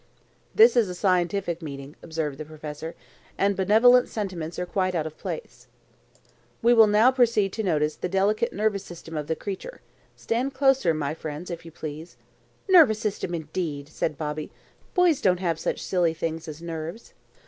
"This is a scientific meeting," observed the professor; "and benevolent sentiments are quite out of place. We will now proceed to notice the delicate nervous system of the creature. Stand closer, my friends, if you please." "Nervous system, indeed!" said Bobby. "Boys don't have such silly things as nerves!"